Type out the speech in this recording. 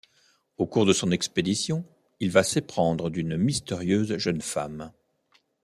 Au cours de son expédition, il va s'éprendre d'une mystérieuse jeune femme.